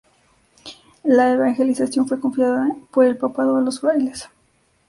La evangelización, fue confiada por el Papado a los frailes.